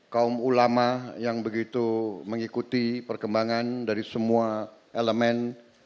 kaum ulama yang begitu mengikuti perkembangan dari semua elemen